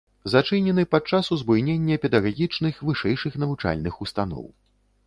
Зачынены падчас узбуйнення педагагічных вышэйшых навучальных устаноў.